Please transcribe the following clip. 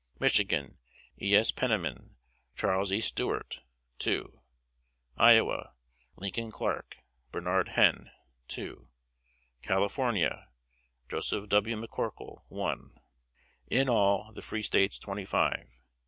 Michigan: E. S. Penniman, Charles E. Stuart 2. Iowa: Lincoln Clark, Bernard Henn 2. California: Joseph W. McCorkle 1. In all the free States twenty five.